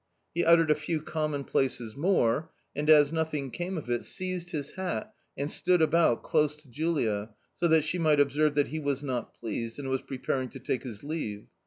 He uttered a few commonplaces more and, as nothing came of them, seized his hat and stood about close to Julia, so that she might observe that he was not pleased and was preparing to take his leave.